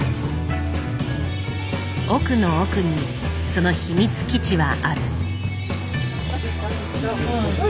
奥の奥にその秘密基地はある。